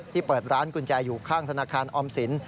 เปิดร้านกุญแจอยู่ข้างธนาคารออมสิน